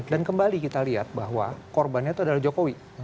dan kembali kita lihat bahwa korbannya itu adalah jokowi